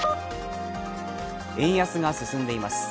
円安が進んでいます。